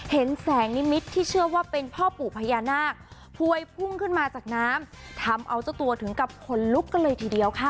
เห็นแสงนิมิตรที่เชื่อว่าเป็นพ่อปู่พญานาคพวยพุ่งขึ้นมาจากน้ำทำเอาเจ้าตัวถึงกับขนลุกกันเลยทีเดียวค่ะ